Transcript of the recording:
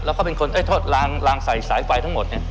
แล้วเขาเป็นคนโทษรางใสสายไกวทั้งหมดเนี่ย